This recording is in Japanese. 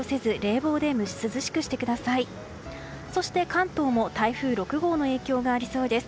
関東も台風６号の影響がありそうです。